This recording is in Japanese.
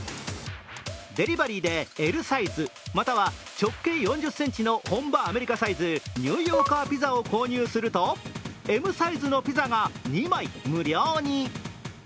デリバリーでＬサイズまたは直系４０ｃｍの本場アメリカサイズ、ニューヨーカーピザを購入するとＭサイズのピザが２枚無料に。